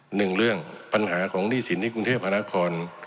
หนึ่งเรื่องปัญหาของหนี้สินที่กรุงเทพหานคร